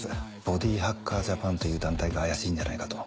ボディハッカージャパンという団体が怪しいんじゃないかと。